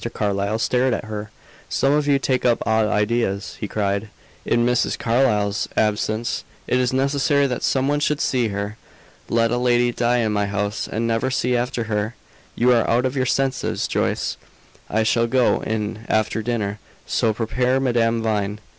Carlyle stared at her. "Some of you take up odd ideas," he cried. "In Mrs. Carlyle's absence, it is necessary that some one should see her! Let a lady die in my house, and never see after her! You are out of your senses, Joyce. I shall go in after dinner; so prepare Madame Vine."